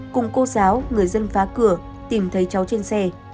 cùng cô giáo người dân phá cửa tìm thấy cháu trên xe